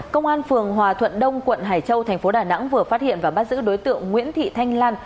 công an phường hòa thuận đông quận hải châu thành phố đà nẵng vừa phát hiện và bắt giữ đối tượng nguyễn thị thanh lan